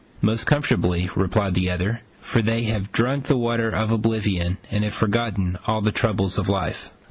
"Most comfortably," replied the other, "for they have drunk the water of oblivion, and have forgotten all the troubles of life.